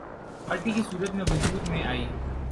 party کی صورت میں وجود میں آئی